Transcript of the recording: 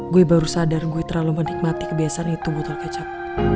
gue baru sadar gue terlalu menikmati kebiasaan itu botol kecap